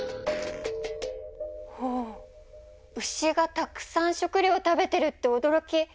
ほう牛がたくさん食料食べてるっておどろき！